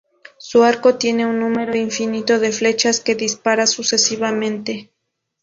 Su arco tiene un número infinito de flechas que dispara sucesivamente.